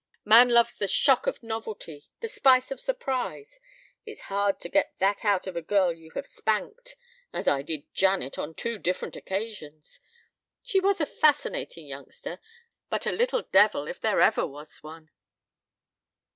Man love's the shock of novelty, the spice of surprise. It's hard to get that out of a girl you have spanked as I did Janet on two different occasions. She was a fascinating youngster, but a little devil if there ever was one."